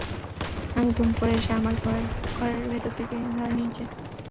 নানু ধুম করে এসে আমাদের খড়ের ভেতর থেকে ধরে নিয়ে যান।